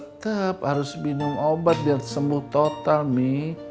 ya tetep harus minum obat biar sembuh total mi